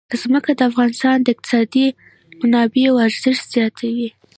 ځمکه د افغانستان د اقتصادي منابعو ارزښت زیاتوي.